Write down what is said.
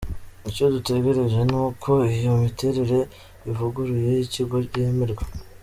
Icyo dutegereje ni uko iyo miterere ivuguruye y’ikigo yemerwa.